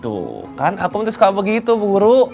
tuh kan aku minta suka begitu bu guru